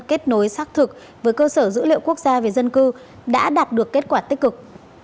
kết nối xác thực với cơ sở dữ liệu quốc gia về dân cư đã đạt được kết quả tích cực